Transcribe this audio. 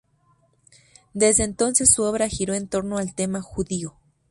Desde entonces su obra giró en torno al tema judío.